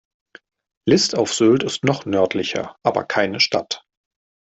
List auf Sylt ist noch nördlicher, aber keine Stadt.